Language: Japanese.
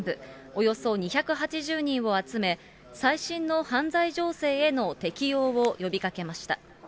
およそ２８０人を集め、最新の犯罪情勢への適応を呼びかけました。